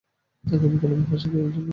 আগামীকাল আমি ফাঁসিতে ঝুলব।